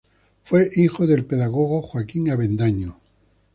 Fue hijo del pedagogo Joaquín Avendaño.